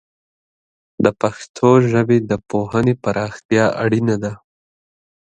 د پښتو ژبې د پوهنې پراختیا اړینه ده.